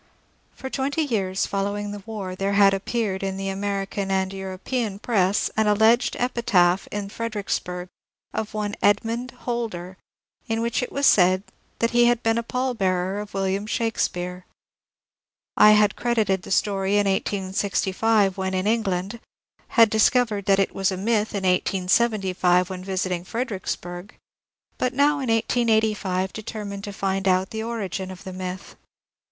For twenty years following the war there had appeared in the American and European press an alleged epitaph in Fredericksburg of one Edmond Holder, in which it was said that he had been a pall bearer of William Shake speare. I had credited the story in 1865 when in England, had discovered that it was a myth in 1875, when visiting Fredericksburg, but now in 1885 determined to find out the origin of the myth.